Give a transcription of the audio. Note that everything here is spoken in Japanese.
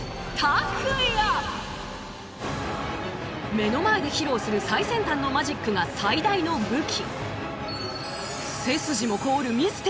目の前で披露する最先端のマジックが最大の武器。